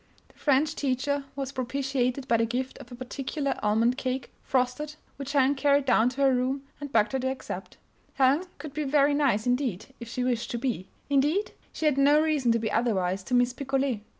The French teacher was propitiated by the gift of a particular almond cake, frosted, which Helen carried down to her room and begged her to accept. Helen could be very nice indeed, if she wished to be; indeed, she had no reason to be otherwise to Miss Picolet.